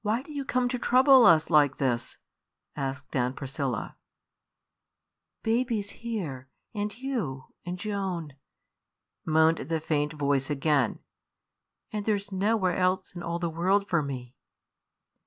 "Why do you come to trouble us like this?" asked Aunt Priscilla. "Baby's here, and you, and Joan," moaned the faint voice again, "and there's nowhere else in all the world for me."